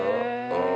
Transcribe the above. うん。